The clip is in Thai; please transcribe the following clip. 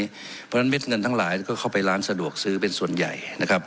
เพราะฉะนั้นเม็ดเงินทั้งหลายก็เข้าไปร้านสะดวกซื้อเป็นส่วนใหญ่นะครับ